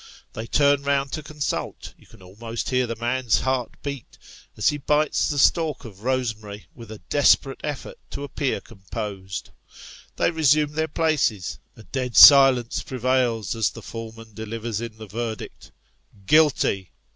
They turn round to consult ; you can almost hear the man's heart beat, as he bites the stalk of rosemary, with a desperate effort to appear composed. They resume their places a dead silence prevails as the foreman delivers in the verdict " Guilty